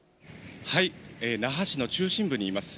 那覇市の中心部にいます。